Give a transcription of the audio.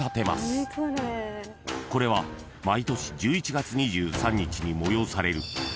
［これは毎年１１月２３日に催される］